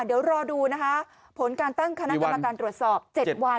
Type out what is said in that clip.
เดี๋ยวรอดูนะคะผลการตั้งคณะกรรมการตรวจสอบ๗วัน